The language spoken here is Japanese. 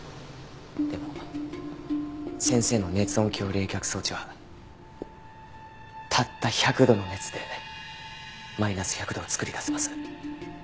でも先生の熱音響冷却装置はたった１００度の熱でマイナス１００度を作り出せます。